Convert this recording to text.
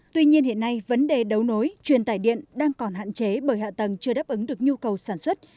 tuy nhiên hiện nay vấn đề đấu nối truyền tải điện đang còn hạn chế bởi hạ tầng chưa đáp ứng được nhu cầu sản xuất